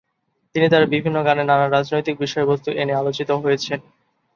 তিনি তার বিভিন্ন গানে নানা রাজনৈতিক বিষয়বস্তু এনে আলোচিত হয়েছেন।